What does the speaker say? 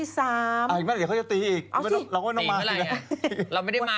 อีกไหมเดี๋ยวเขาจะตีอีกเราก็ไม่ต้องมา